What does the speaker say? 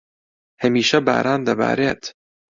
هەمیشە باران دەبارێت.